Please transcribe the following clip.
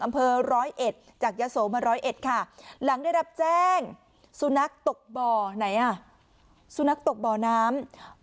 อำเภอร้อยเอ็ดจากยะโสมาร้อยเอ็ดค่ะหลังได้รับแจ้งสุนัขตกบ่อไหนอ่ะสุนัขตกบ่อน้ำ